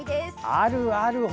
あるある！